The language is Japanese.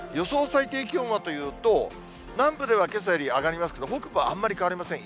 最低気温はというと、南部ではけさより上がりますけど、北部はあんまり変わりません。